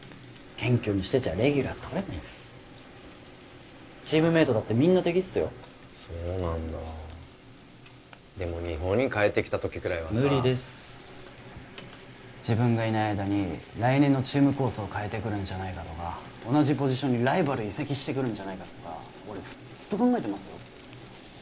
謙虚にしてちゃレギュラーとれないんっすチームメイトだってみんな敵っすよそうなんだでも日本に帰ってきた時くらいはさ無理です自分がいない間に来年のチーム構想を変えてくるんじゃないかとか同じポジションにライバル移籍してくるんじゃないかとか俺ずっと考えてますよ